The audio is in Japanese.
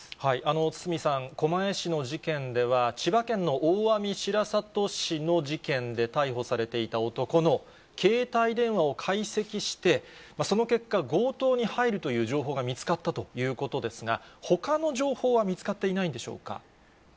堤さん、狛江市の事件では、千葉県の大網白里市の事件で逮捕されていた男の携帯電話を解析して、その結果、強盗に入るという情報が見つかったということですが、ほかの情報は見つかっていないんでしょうか。